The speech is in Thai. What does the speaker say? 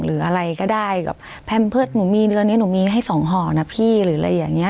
หรืออะไรก็ได้เพื่อนหนูมีเดือนนี้หนูมีให้๒ห่อนนะพี่หรืออะไรอย่างนี้